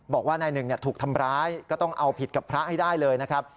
บอกว่านายหนึ่งถูกทำร้ายก็ต้องเอาผิดกับพระให้ได้เลยนะครับ